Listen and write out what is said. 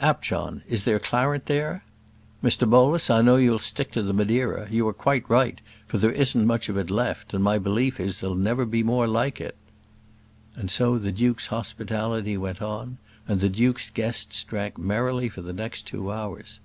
Apjohn, is there claret there? Mr Bolus, I know you stick to the Madeira; you are quite right, for there isn't much of it left, and my belief is there'll never be more like it." And so the duke's hospitality went on, and the duke's guests drank merrily for the next two hours.